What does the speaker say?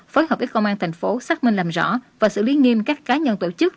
phối hợp với công an thành phố xác minh làm rõ và xử lý nghiêm các cá nhân tổ chức